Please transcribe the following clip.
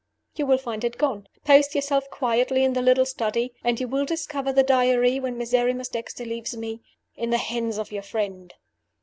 You will find it gone. Post yourself quietly in the little study; and you will discover the Diary (when Miserrimus Dexter leaves me) in the hands of your friend."